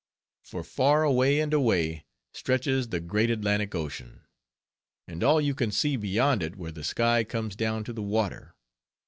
For far away and away, stretches the great Atlantic Ocean; and all you can see beyond it where the sky comes down to the water.